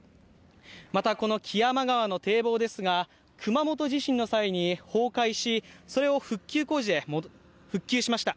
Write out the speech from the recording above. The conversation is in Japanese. またこの木山川の堤防ですが熊本地震の際に崩壊し、それを復旧しました。